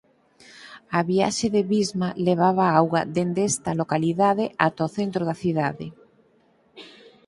A viaxe de Visma levaba auga dende esta localidade ata o centro da cidade.